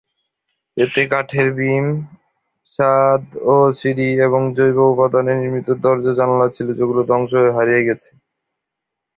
এতে কাঠের বিম, ছাদ ও সিঁড়ি এবং জৈব উপাদানে নির্মিত দরজা জানালা ছিল যেগুলো ধ্বংস হয়ে হারিয়ে গেছে।